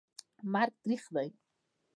مرګ تریخ دي